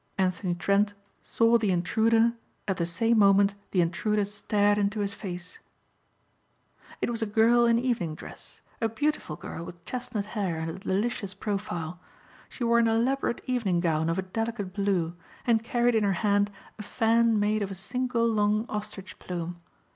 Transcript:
Anthony Trent saw the intruder at the same moment the intruder stared into his face. It was a girl in evening dress, a beautiful girl with chestnut hair and a delicious profile. She wore an elaborate evening gown of a delicate blue and carried in her hand a fan made of a single long ostrich plume.